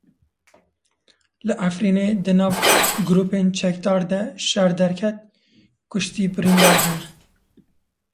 Li Efrînê di nav grûpên çekdar de şer derket, kuştî birîndar hene.